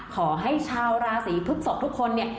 ขอให้ชาวราศีพฤกษกทุกคนเนี่ย